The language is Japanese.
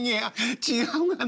違うがな。